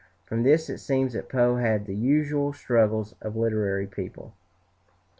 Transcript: From this it seems that Poe had the usual struggles of literary people.